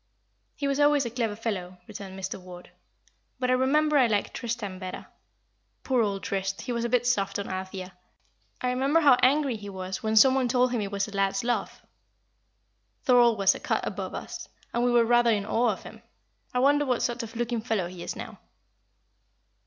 "He was always a clever fellow," returned Mr. Ward; "but I remember I liked Tristram best. Poor old Trist, he was a bit soft on Althea. I remember how angry he was when some one told him it was lad's love. Thorold was a cut above us, and we were rather in awe of him. I wonder what sort of looking fellow he is now."